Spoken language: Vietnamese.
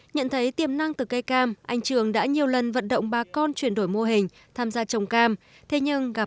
nhận thấy tiềm năng từ cây cam anh trường đã nhiều lần vận động ba con chuyển đổi mô hình